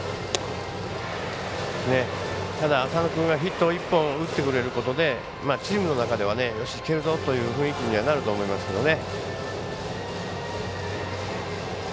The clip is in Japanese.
ただ、浅野君がヒットを１本、打ってくれることでチームの中ではよし、いけるぞという雰囲気にはなると思いますけどね。